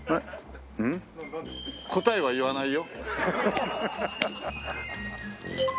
答えは言わないよ。